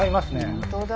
本当だ。